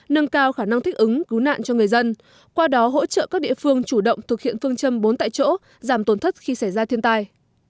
nâng cao khả năng thích ứng cứu nạn cho người dân qua đó hỗ trợ các địa phương chủ động thực hiện phương châm bốn tại chỗ giảm tổn thất khi xảy ra thiên tai